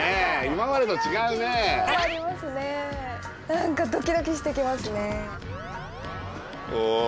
何かドキドキしてきますね。